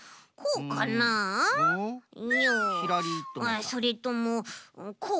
あっそれともこう？